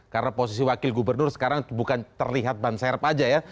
karena posisi wakil gubernur sekarang bukan terlihat ban serp saja ya